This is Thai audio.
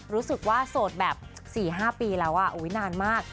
รู้สึกว่าโสดแบบ๔๕ปีแล้วนานมาก